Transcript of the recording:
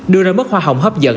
đưa ra mất hoa hồng hấp dẫn